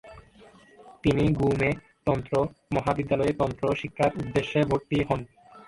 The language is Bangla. তিনি গ্যুমে তন্ত্র মহাবিদ্যালয়ে তন্ত্র শিক্ষার উদ্দেশ্যে ভর্তি হন।